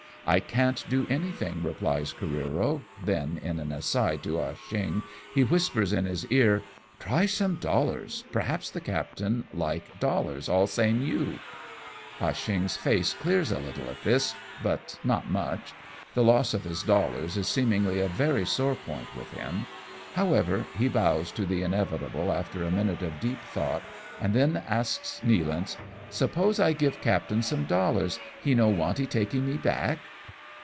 " I can't do anything," replies Careero ; then in an aside to Ah Cheong, he whispers in his ear :" Try some dollars, perhaps the captain like dollars, all same you." 202 AMONG TYPHOONS AND PIRATE CRAFT. Ah Cheong's face clears a little at this, but not much, the loss of his dollars is seemingly a very sore point with him ; however, he bows to the inevitable after a minute of deep thought, and then asks Nealance, " Suppose I give captain some dollars, he no wantee takee me back